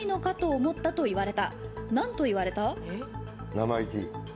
生意気。